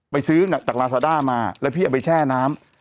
ไปซื้อจากลาซาด้ามาแล้วพี่เอาไปแช่น้ำ